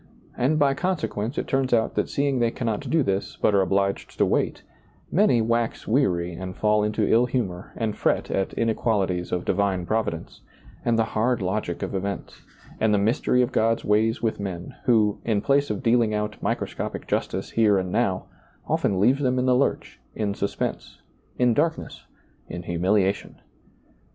And by consequence it turns out that seeing they cannot do this, but are obliged to wait, many wax weary and fall into ill humor and fret at inequalities of divine Providence, and the hard logic of events, and the mystery of God's ways with men, who, in place of dealing out microscoiHC justice here and now, often leaves them in the lurch, in suspense, in darkness, in humiliation.